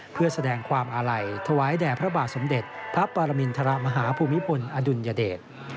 เพื่อแสดงความอาลัยถวายแด่พระบาทสมเด็จพระปรมินทรมาฮาภูมิพลอดุลยเดช